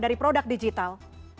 dari produk digital